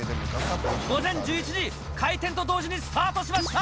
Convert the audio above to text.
午前１１時、開店と同時にスタートしました。